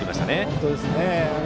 本当ですね。